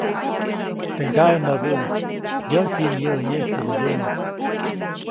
Teʼ ŋgaʼe näbuʼuŋ, -yäʼ jiʼnyäʼä nyeʼkäbä yomo-.